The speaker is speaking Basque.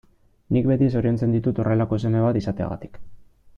Nik beti zoriontzen ditut horrelako seme bat izateagatik.